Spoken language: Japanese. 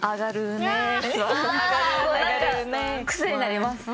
癖になります。